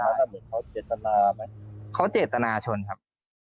เขาเจตนาไหมเขาเจตนาชนครับ